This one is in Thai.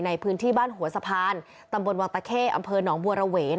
ในพื้นที่บ้านหัวสะพานตำบลวังตะเข้อำเภอหนองบัวระเวน